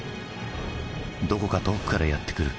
どこか遠くからやって来る